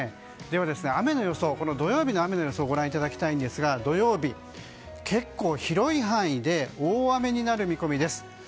では、土曜日の雨の予想をご覧いただきたいんですが土曜日結構広い範囲で大雨になる見込みです。